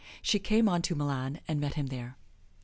She came on to Milan and met him there.